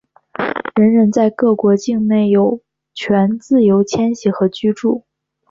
人人在各国境内有权自由迁徙和居住。